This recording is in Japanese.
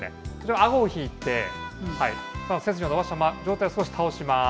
あごを引いて、背筋を伸ばしたまま、上体を少し倒します。